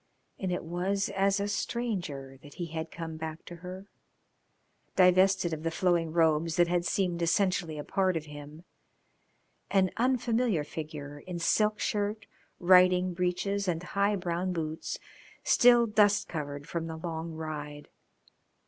And it was as a stranger that he had come back to her, divested of the flowing robes that had seemed essentially a part of him; an unfamiliar figure in silk shirt, riding breeches and high brown boots, still dust covered from the long ride.